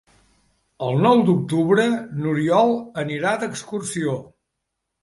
El nou d'octubre n'Oriol anirà d'excursió.